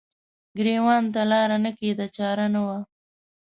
ګریوان ته لار نه کیده چار نه وه